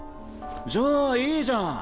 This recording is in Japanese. じゃあいいじゃん。